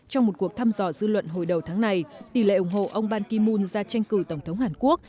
trong một cuộc thăm dò dư luận hồi đầu tháng này tỷ lệ ủng hộ ông ban ki moon ra tranh cử tổng thống hàn quốc